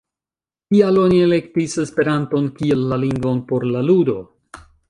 Kial oni elektis Esperanton kiel la lingvon por la ludo?